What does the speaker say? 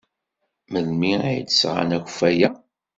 Melmi ay d-sɣan akeffay-a?